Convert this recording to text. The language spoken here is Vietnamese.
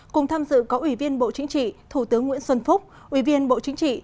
cùng tham dự có ủy viên bộ chính trị thủ tướng nguyễn xuân phúc ủy viên bộ chính trị